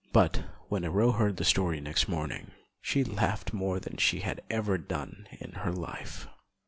But when Aurore heard the story next morning, she laughed more than she had ever done in her life.